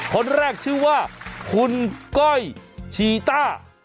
คนแรกชื่อว่าคุณก้อยชีต้า